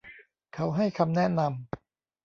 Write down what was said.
เขาให้คำแนะนำ